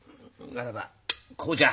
ならばこうじゃ。